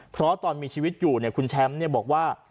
เพราะตอนมีชีวิตอยู่คุณแชมป์บอกว่า